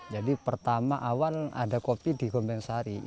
jadi pertama awal ada kopi di gombeng sari